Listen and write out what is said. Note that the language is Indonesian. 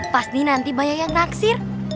pasti nanti banyak yang naksir